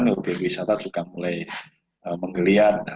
mobil wisata juga mulai menggeliat